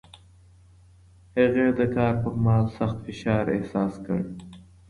هغې د کار پر مهال سخت فشار احساس کړ.